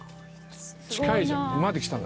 近いじゃん馬で来たんだ。